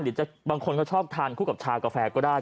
บางคนเขาชอบทานคู่กับชากาแฟก็ได้